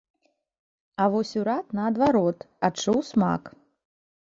А вось урад, наадварот, адчуў смак.